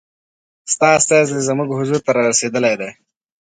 ستا استازی زموږ حضور ته را رسېدلی دی.